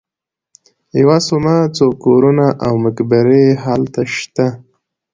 یوه صومعه، څو کورونه او مقبرې هلته شته.